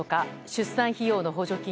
出産費用の補助金